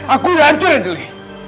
aku udah hancur ya julie